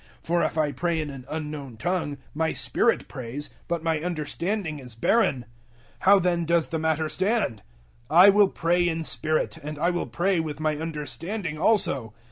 014:014 For if I pray in an unknown tongue, my spirit prays, but my understanding is barren. 014:015 How then does the matter stand? I will pray in spirit, and I will pray with my understanding also.